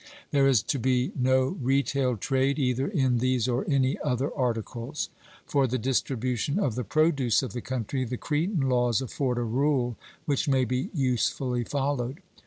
There is to be no retail trade either in these or any other articles. For the distribution of the produce of the country, the Cretan laws afford a rule which may be usefully followed.